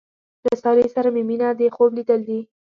له سارې سره مې مینه دې خوب لیدل دي.